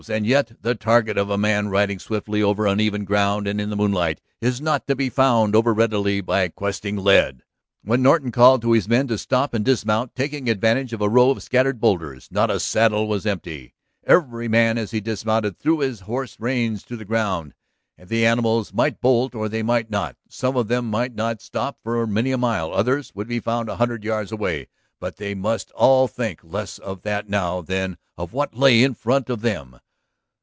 And yet the target of a man riding swiftly over uneven ground and in the moonlight is not to be found overreadily by questing lead. When Norton called to his men to stop and dismount, taking advantage of a row of scattered boulders, not a saddle was empty. [Illustration: On through the bright moonlight came the sheriff's posse.] Every man as he dismounted threw his horsed reins to the ground; the animals might bolt or they might not, some of them might not stop for many a mile, others would be found a hundred yards away. But they must all think less of that now than of what lay in front of them.